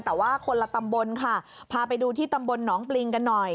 แต่ว่าคนละตำบลค่ะพาไปดูที่ตำบลหนองปริงกันหน่อย